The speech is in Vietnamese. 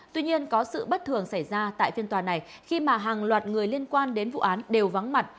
tuy nhiên có sự bất thường xảy ra tại phiên tòa này khi mà hàng loạt người liên quan đến vụ án đều vắng mặt